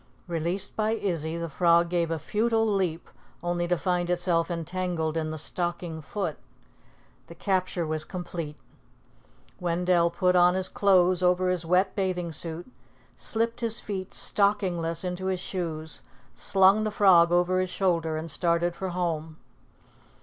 Released by Izzy, the frog gave a futile leap, only to find itself entangled in the stocking foot. The capture was complete. Wendell put on his clothes over his wet bathing suit, slipped his feet stockingless into his shoes, slung the frog over his shoulder and started for home.